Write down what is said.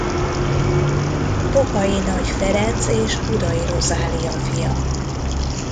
Tokaji Nagy Ferenc és Buday Rozália fia.